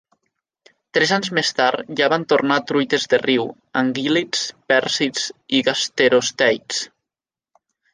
Tres anys més tard ja van tornar truites de riu, anguíl·lids, pèrcids i gasterosteids.